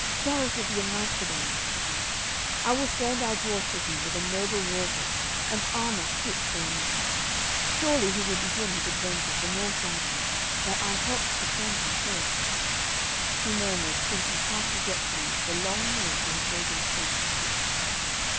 'Gareth will be a knight to day,' she thought. 'I will send our dwarf to him with a noble war horse and armour fit for a knight. Surely he will begin his adventures the more gladly, that I help to send him forth,' she murmured, thinking half regretfully of the long year she had made him spend in the kitchen.